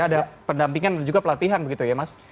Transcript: ada pendampingan dan juga pelatihan begitu ya mas